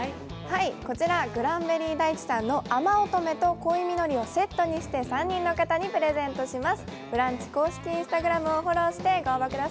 こちらグランベリー大地さんのあまおとめと恋みのりをセットにして３人の方にプレゼントします。